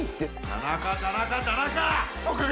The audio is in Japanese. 田中、田中、田中！